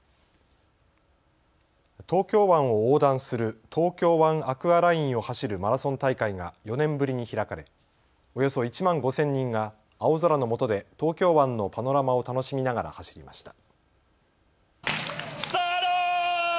東京湾を横断する東京湾アクアラインを走るマラソン大会が４年ぶりに開かれおよそ１万５０００人が青空のもとで東京湾のパノラマを楽しみながら走りました。